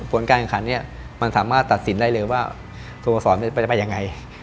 ประวัติการกำคัญมันสามารถตัดสินได้เลยว่าส่วนผสมมันจะไปอย่างไร